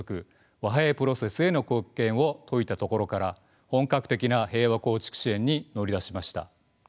和平プロセスへの貢献を説いたところから本格的な平和構築支援に乗り出しました。